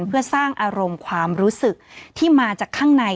เพื่อสร้างอารมณ์ความรู้สึกที่มาจากข้างใน